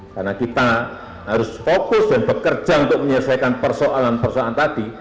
karena kita harus fokus dan bekerja untuk menyelesaikan persoalan persoalan tadi